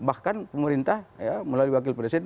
bahkan pemerintah melalui wakil presiden